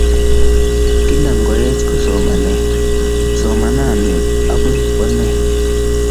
Kila ngoech ko somanet... Somanani akei kenee